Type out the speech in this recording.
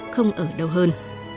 không ở đâu hơn